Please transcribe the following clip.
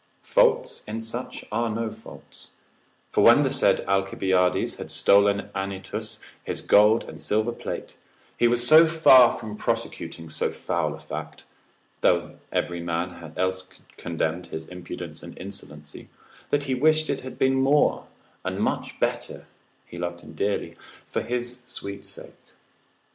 Faults in such are no faults: for when the said Alcibiades had stolen Anytus his gold and silver plate, he was so far from prosecuting so foul a fact (though every man else condemned his impudence and insolency) that he wished it had been more, and much better (he loved him dearly) for his sweet sake.